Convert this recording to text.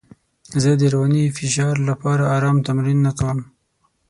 زه د رواني فشار لپاره ارام تمرینونه کوم.